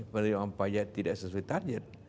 penerimaan pajak tidak sesuai target